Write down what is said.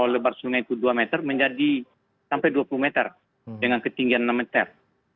lebar sungai itu dua meter menjadi sampai dua puluh meter dengan ketinggian enam meter